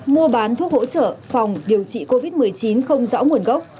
mua bán thuốc hỗ trợ phòng điều trị covid một mươi chín không rõ nguồn gốc